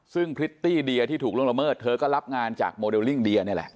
ซึ่งพริตตี้เดียที่ถูกล่วงละเมิดเธอก็รับงานจากโมเดลลิ่งเดียนี่แหละ